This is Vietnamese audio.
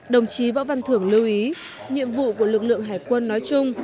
đồng chí võ văn thưởng lưu ý nhiệm vụ của lực lượng hải quân nói chung